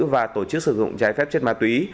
và tổ chức sử dụng trái phép trên mặt túy